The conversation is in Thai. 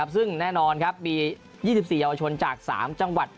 ซึ่งแน่นอนมี๒๔เยาวชนจาก๓จังหวัด